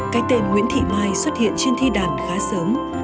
cái tên nguyễn thị mai xuất hiện trên thi đàn khá sớm